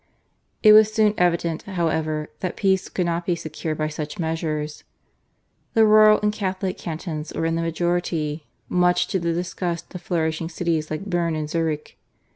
It was soon evident, however, that peace could not be secured by such measures. The rural and Catholic cantons were in the majority, much to the disgust of flourishing cities like Berne and Zurich.